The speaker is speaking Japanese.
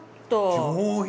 上品！